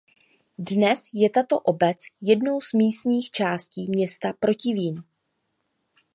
Dnes je tato obec jednou z místních částí města Protivín.